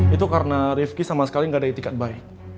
itu karena rifki sama sekali gak ada itikat baik